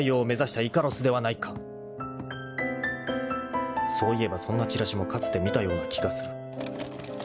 ［そういえばそんなチラシもかつて見たような気がする］